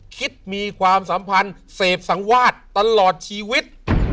มีความสัมพันธ์เสพสังวาสตลอดชีวิต